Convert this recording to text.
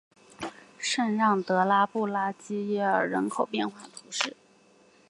圣让德拉布拉基耶尔人口变化图示